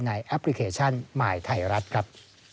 แอปพลิเคชันหมายไทยรัฐครับ